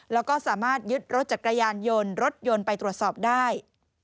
แล้วก็สามารถยึดรถจักรยานยนต์รถยนต์ไปตรวจสอบได้